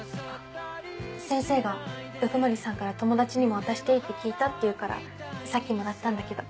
先生が鵜久森さんから友達にも渡していいって聞いたって言うからさっきもらったんだけど。